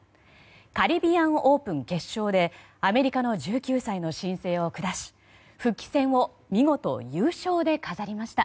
カリビアン・オープン決勝でアメリカの１９歳の新星を下し、復帰戦を見事優勝で飾りました。